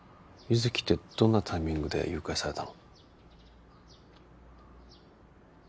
月ってどんなタイミングで誘拐されたの？